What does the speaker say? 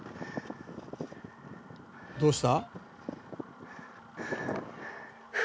「どうした？」